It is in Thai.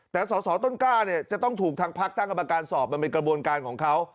แต่สอสอต้นกล้าจะต้องถูกทางภักรณ์สอบเป็นกระบวนการของเขา